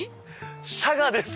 シャガです！